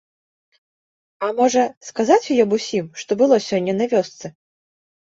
А можа, сказаць ёй аб усім, што было сёння на вёсцы?